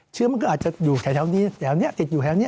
เชื้อมันก็อาจจะอยู่แถวนี้แถวนี้ติดอยู่แถวนี้